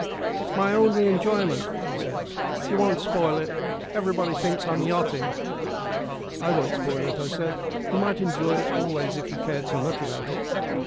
"It's my only enjoyment," he said. "You won't spoil it everybody thinks I'm yachting." "I won't spoil it," I said. "You might enjoy it always if you cared so much about it."